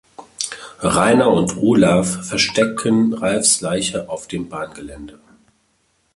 Rainer und Olaf verstecken Ralfs Leiche auf dem Bahngelände.